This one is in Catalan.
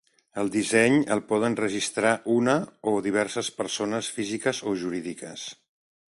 El disseny el poden registrar una o diverses persones físiques o jurídiques.